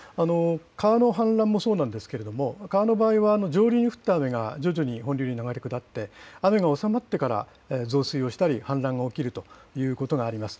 川の氾濫もそうなんですけれども、川の場合は、上流に降った雨が徐々に本流に流れ下って、雨が収まってから増水をしたり、氾濫が起きるということがあります。